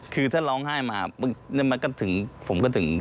คือถ้าร้องไห้มาผมก็ถึงเจ็บใจตัวเอง